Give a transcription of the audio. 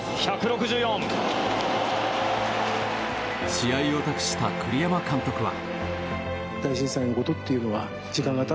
試合を託した栗山監督は。